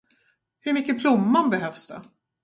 Hur mycket plommon behövs det?